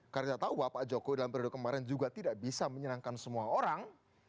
karena saya tahu pak jokowi dalam periode kemarin juga tidak bisa menyenangkan semua orang